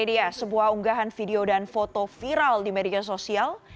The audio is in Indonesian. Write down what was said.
dia sebuah unggahan video dan foto viral di media sosial